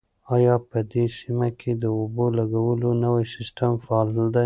آیا په دې سیمه کې د اوبو لګولو نوی سیستم فعال دی؟